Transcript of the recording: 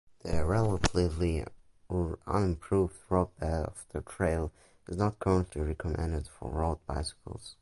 The relatively unimproved roadbed of the Trail is not currently recommended for road bicycles.